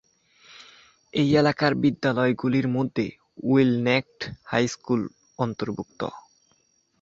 এই এলাকার বিদ্যালয়গুলির মধ্যে উইলনেকট হাই স্কুল অন্তর্ভুক্ত।